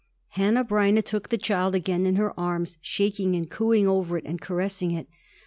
Hanneh Breineh took the child again in her arms, shaking and cooing over it and caressing it.